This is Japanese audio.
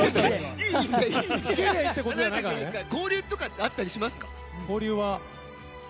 交流とかってあったりしますか？